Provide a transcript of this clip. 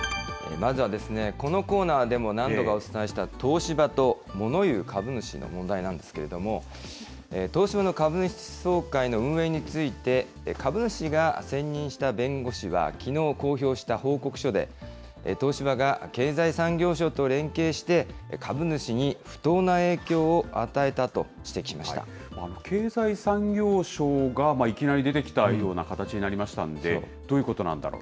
まずはですね、このコーナーでも何度かお伝えした東芝と物言う株主の問題なんですけれども、東芝の株主総会の運営について、株主が選任した弁護士は、きのう、公表した報告書で、東芝が経済産業省と連携して株主に不当な影響を与えたと指摘しま経済産業省がいきなり出てきたような形になりましたんで、どういうことなんだろう。